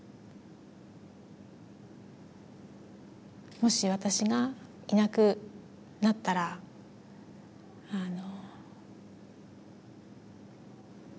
もし私がいなくなったらあの。